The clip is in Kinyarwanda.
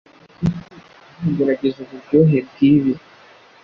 Kuki utagerageza uburyohe bwibi?